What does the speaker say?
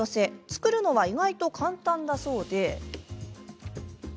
作るのは意外と簡単だそうで。